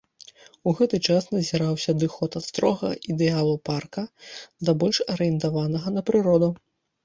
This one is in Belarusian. У гэты час назіраўся адыход ад строгага ідэалу парка, да больш арыентаванага на прыроду.